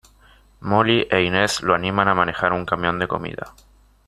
Molly e Inez lo animan a manejar un camión de comida.